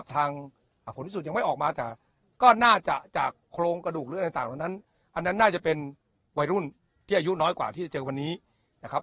ผลพิสูจนยังไม่ออกมาแต่ก็น่าจะจากโครงกระดูกหรืออะไรต่างตรงนั้นอันนั้นน่าจะเป็นวัยรุ่นที่อายุน้อยกว่าที่จะเจอวันนี้นะครับ